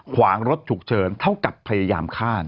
ขวางรถฉุกเฉินเท่ากับพยายามฆ่า